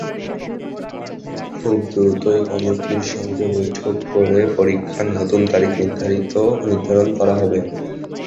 খুব দ্রুতই কমিটির সঙ্গে বৈঠক করে পরীক্ষার নতুন তারিখ নির্ধারণ করা হবে।